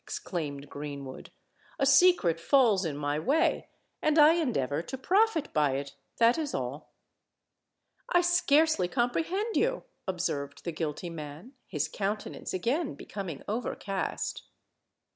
exclaimed Greenwood. "A secret falls in my way—and I endeavour to profit by it. That is all." "I scarcely comprehend you," observed the guilty man, his countenance again becoming overcast.